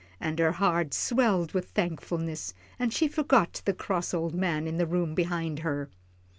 and her heart swelled with thankfulness, and she forgot the cross old man in the room behind her.